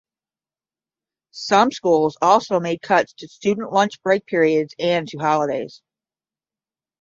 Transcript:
Some schools also made cuts to student lunch break periods and to holidays.